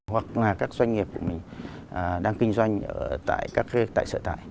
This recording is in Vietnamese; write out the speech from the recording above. hoặc là các doanh nghiệp của mình đang kinh doanh tại sở tại